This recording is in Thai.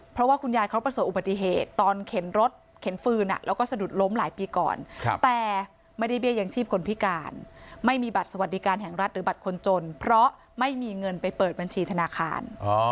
เพราะว่าคุณยายเขาประสบอุบัติเหตุตอนเข็นรถเข็นฟืนแล้วก็สะดุดล้มหลายปีก่อนแต่ไม่ได้เบี้ยยังชีพคนพิการไม่มีบัตรสวัสดิการแห่งรัฐหรือบัตรคนจนเพราะไม่มีเงินไปเปิดบัญชีธนาคาร